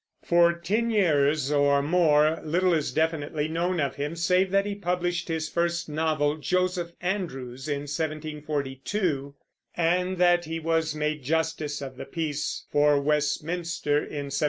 For ten years, or more, little is definitely known of him, save that he published his first novel, Joseph Andrews, in 1742, and that he was made justice of the peace for Westminster in 1748.